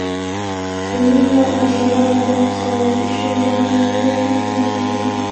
Лина-Ужава бронзовый пӱчӧ ӱмбалне йолжым рӱзен шинчен.